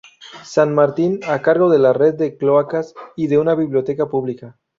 San Martín a cargo de la red de cloacas y de una biblioteca pública.